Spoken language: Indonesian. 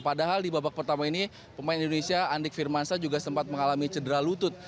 padahal di babak pertama ini pemain indonesia andik firmansa juga sempat mengalami cedera lutut